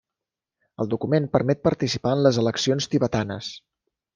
El document permet participar en les eleccions tibetanes.